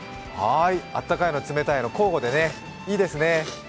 あったかいの、冷たいの、交互で、いいですね。